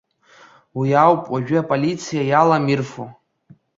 Уи ауп уажәы аполициа иалам ирфо.